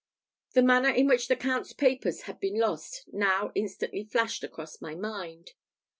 The manner in which the Count's papers had been lost now instantly flashed across my mind.